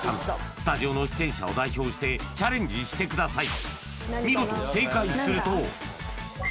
スタジオの出演者を代表してチャレンジしてください